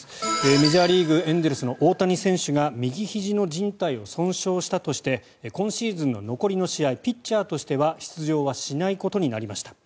メジャーリーグエンゼルスの大谷選手が右ひじのじん帯を損傷したとして今シーズンの残りの試合ピッチャーとしては出場はしないことになりました。